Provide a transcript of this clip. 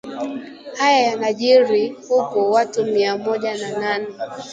Haya yanajiri huku watu mia moja na nane